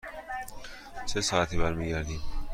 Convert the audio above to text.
چه ساعتی برمی گردیم؟